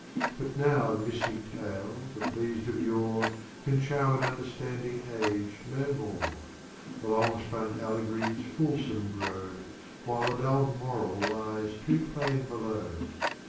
But now the Mystick Tale, that pleas'd of Yore, Can Charm an understanding Age no more; The long spun Allegories fulsom grow, While the dull Moral lies too plain below.